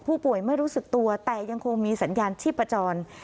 ผู้ป่วยไม่รู้สึกตัวแต่ยังคงมีสัญญาณชีพจร